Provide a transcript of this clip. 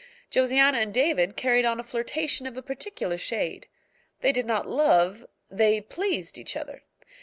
Josiana and David carried on a flirtation of a particular shade. They did not love, they pleased, each other.